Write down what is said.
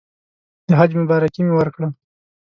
د حج مبارکي مې ورکړه.